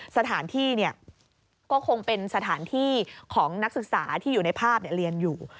สถานที่ก็คงเป็นสถานที่ของนักศึกษาที่อยู่ในภาพเรียนอยู่